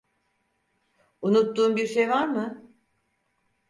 Unuttuğum bir şey var mı?